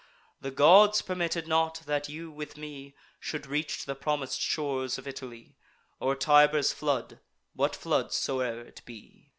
The gods permitted not, that you, with me, Should reach the promis'd shores of Italy, Or Tiber's flood, what flood soe'er it be."